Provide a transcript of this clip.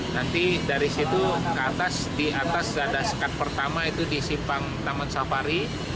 nanti dari situ ke atas di atas ada sekat pertama itu di simpang taman safari